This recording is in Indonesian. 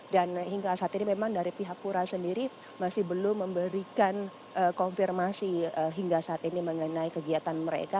dan hingga saat ini memang dari pihak pura sendiri masih belum memberikan konfirmasi hingga saat ini mengenai kegiatan mereka